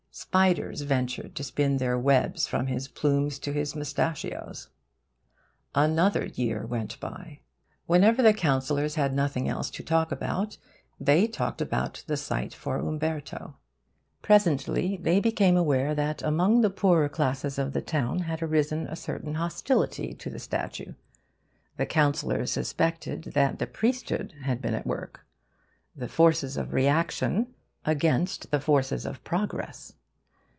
Spiders ventured to spin their webs from his plumes to his mustachios. Another year went by. Whenever the councillors had nothing else to talk about they talked about the site for Umberto. Presently they became aware that among the poorer classes of the town had arisen a certain hostility to the statue. The councillors suspected that the priesthood had been at work. The forces of reaction against the forces of progress!